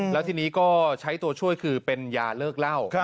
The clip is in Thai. แล้วทีนี้ก็ใช้ตัวช่วยคือเป็นยาเลิกเล่า